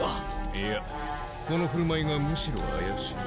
いやこの振る舞いがむしろ怪しい。